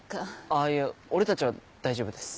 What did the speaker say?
あぁいや俺たちは大丈夫です。